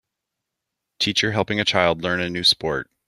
Teacher helping a child learn a new sport.